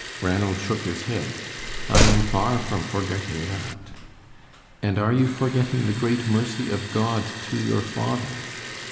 Ranald shook his head. "I am far from forgetting that." "And are you forgetting the great mercy of God to your father?"